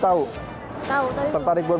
mau ke bandung